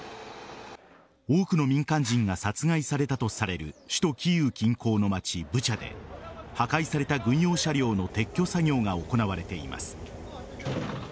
多くの民間人が殺害されたとされる首都・キーウ近郊の町ブチャで破壊された軍用車両の撤去作業が行われています。